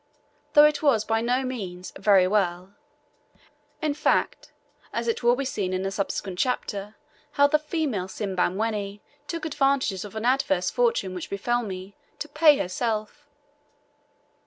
Though it was by no means "very well" in fact, as it will be seen in a subsequent chapter how the female Simbamwenni took advantage of an adverse fortune which befell me to pay herself.